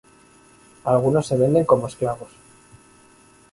Algunos se venden como esclavos.